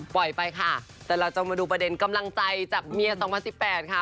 ไปค่ะแต่เราจะมาดูประเด็นกำลังใจจากเมีย๒๐๑๘ค่ะ